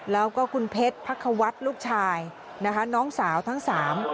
แล้วก็คุณเพชรพักควัฒน์ลูกชายนะคะน้องสาวทั้งสาม